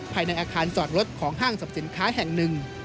ภายในอาคารจอดรถของห้างสำสินค้าแห่ง๑